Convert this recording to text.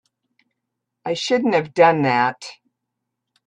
I shouldn't have done that.